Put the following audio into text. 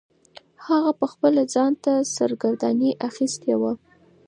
هغه پخپله ځان ته سرګرداني اخیستې وه.